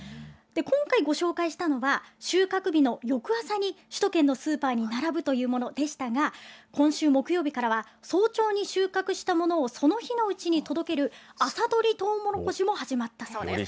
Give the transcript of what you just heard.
今回ご紹介したのは、収穫日の翌朝に首都圏のスーパーに並ぶというものでしたが、今週木曜日からは、早朝に収穫したものをその日のうちに届ける、朝どりトウモロコシも始まったそうです。